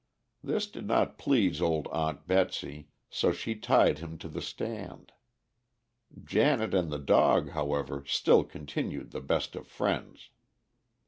This did not please old Aunt Betsy, so she tied him to the stand. Janet and the dog, however, still continued the best of friends.